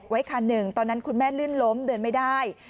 ไว้คันหนึ่งตอนนั้นคุณแม่ลื่นล้มเดินไม่ได้